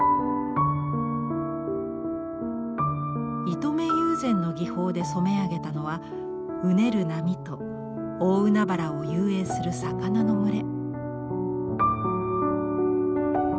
糸目友禅の技法で染め上げたのはうねる波と大海原を遊泳する魚の群れ。